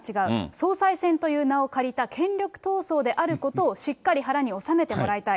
総裁選という名を借りた権力闘争であることをしっかり腹におさめてもらいたい。